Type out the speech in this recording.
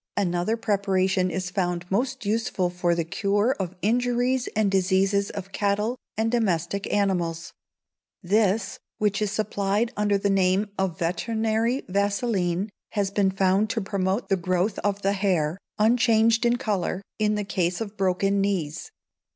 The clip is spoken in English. Another preparation is found most useful for the cure of injuries and diseases of cattle and domestic animals. This, which is supplied under the name of Veterinary Vaseline, has been found to promote the growth of the hair, unchanged in colour, in the case of broken knees.